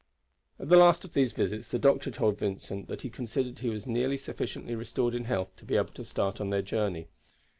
At the last of these visits the doctor told Vincent that he considered he was nearly sufficiently restored in health to be able to start on their journey.